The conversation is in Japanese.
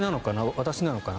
私なのかな？